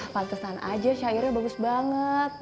pantesan aja syairnya bagus banget